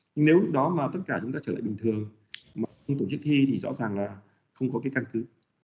nhưng nếu lúc đó mà tất cả chúng ta trở lại bình thường mà không tổ chức thi thì rõ ràng là không có cái căn cứ